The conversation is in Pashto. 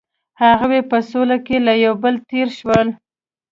هغوی په سوله کې له یو بل تیر شول.